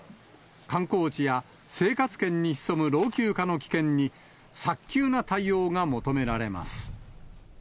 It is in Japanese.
観光地や生活圏に潜む老朽化の危険に、早急な対応が求められます。